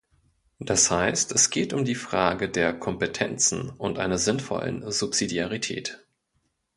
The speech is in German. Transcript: Das heißt, es geht um die Frage der Kompetenzen und einer sinnvollen Subsidiarität.